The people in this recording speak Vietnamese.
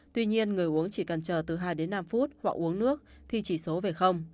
tuy nhiên người uống chỉ cần chờ từ hai năm phút hoặc uống nước thì chỉ số về